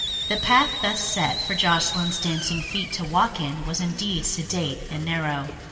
The path thus set for Joscelyn's dancing feet to walk in was indeed sedate and narrow.